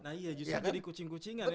nah iya justru jadi kucing kucingan ya